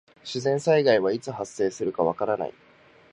自然災害はいつ発生するかわからない。